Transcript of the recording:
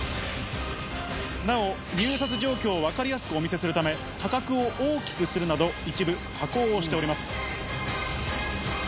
なお、入札状況を分かりやすくお見せするため、価格を大きくするなど、一部、加工をしております。